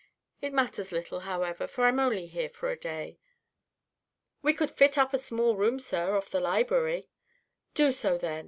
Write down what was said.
It matters little, however, for I'm only here for a day." "We could fit up a small room, sir, off the library." "Do so, then.